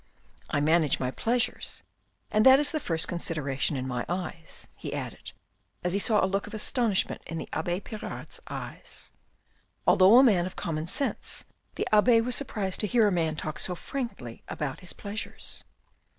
I manage my pleasures, and that is the first consideration in my eyes," he added, as he saw a look of astonishment in the abbe Pirard's eyes. Although a man of common sense, the abbe was surprised to hear a man talk so frankly about his pleasures.